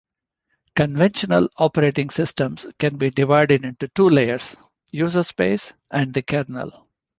Conventional operating systems can be divided into two layers, userspace and the kernel.